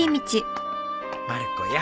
まる子や。